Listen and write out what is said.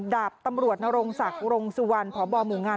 ดาบตำรวจนรงศักดิ์รงสุวรรณพบหมู่งาน